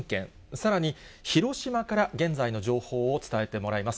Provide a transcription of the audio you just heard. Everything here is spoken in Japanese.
さらに広島から現在の情報を伝えてもらいます。